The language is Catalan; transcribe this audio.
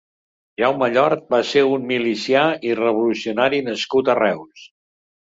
Jaume Llort va ser un milicià i revolucionari nascut a Reus.